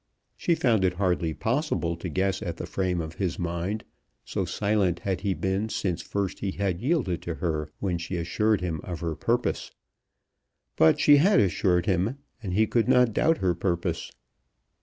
She found it hardly possible to guess at the frame of his mind, so silent had he been since first he had yielded to her when she assured him of her purpose. But she had assured him, and he could not doubt her purpose.